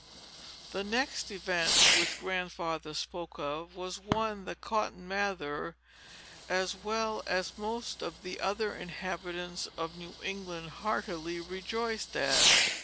The next event, which Grandfather spoke of, was one that Cotton Mather, as well as most of the other inhabitants of New England, heartily rejoiced at.